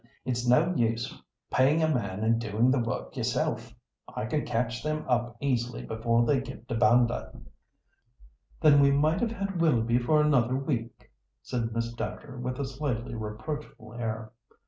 "It's no use paying a man and doing the work yourself; I can catch them up easily before they get to Banda." "Then we might have had Willoughby for another week," said Miss Dacre, with a slightly reproachful air.